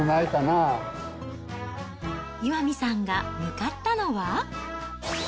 岩見さんが向かったのは。